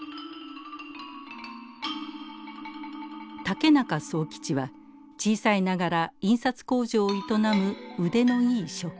竹中宗吉は小さいながら印刷工場を営む腕のいい職人。